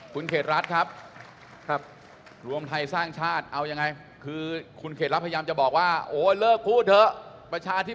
คุณเขตรัฐครับรวมไทยสร้างชาติเอายังไงคือคุณเขตรัฐพยายามจะบอกว่าโอ้เลิกพูดเถอะประชาธิ